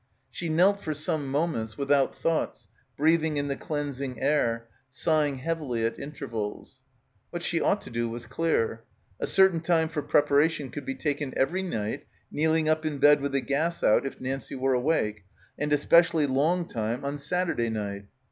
She knelt for some moments, without thoughts, breathing in the cleansing air, sighing heavily at intervals. What she ought to do was clear. A certain time for preparation could be taken every night, kneeling up in bed with the gas out if Nancie were awake, and a specially long time on Saturday night.